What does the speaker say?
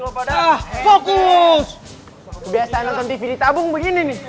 ya ampun nonton di tv tabung kak